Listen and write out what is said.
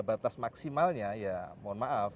batas maksimalnya ya mohon maaf